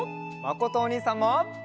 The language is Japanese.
まことおにいさんも！